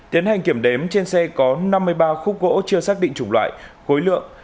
tiến hành kiểm đếm trên xe có năm mươi ba khúc gỗ chưa xác định chủng loại khối lượng